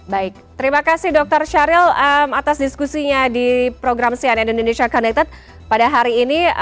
baik terima kasih dr syaril atas diskusinya di program c i indonesia connected pada hari ini